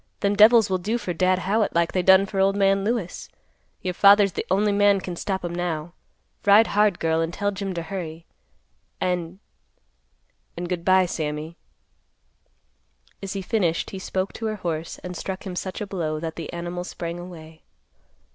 Them devils will do for Dad Howitt like they done for old man Lewis. Your father's the only man can stop 'em now. Ride hard, girl, and tell Jim to hurry. And—and, good by, Sammy." As he finished, he spoke to her horse and struck him such a blow that the animal sprang away.